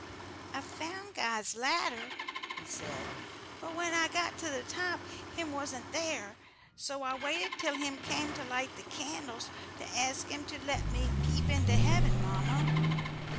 "I found God's ladder," he said, "but when I got to the top, Him wasn't there. So I waited till Him came to light the candles to ask Him to let me peep into heaven, mamma.